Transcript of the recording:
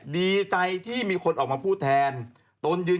ดีทั้งชีวิตเลยเหรอ